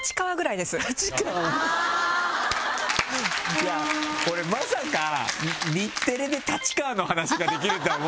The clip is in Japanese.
いや俺まさか日テレで立川の話ができるとは思わなかった。